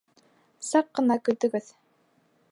Саҡ ҡына көтөгөҙ.